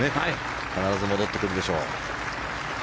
必ず戻ってくるでしょう。